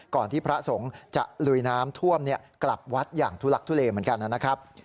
ที่พระสงฆ์จะลุยน้ำท่วมกลับวัดอย่างทุลักทุเลเหมือนกันนะครับ